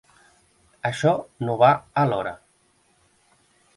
Això no va a l'hora.